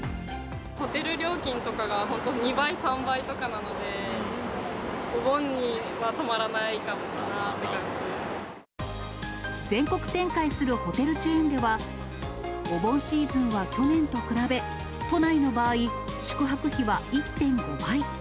ホテル料金とかが、本当、２倍、３倍とかなので、全国展開するホテルチェーンでは、お盆シーズンは去年と比べ、都内の場合、宿泊費は１．５倍。